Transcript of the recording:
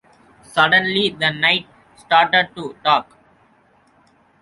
Suddenly, the knight started to talk